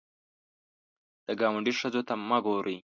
د ګاونډي ښځو ته مه ګورې